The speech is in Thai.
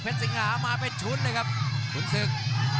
สิงหามาเป็นชุดเลยครับขุนศึก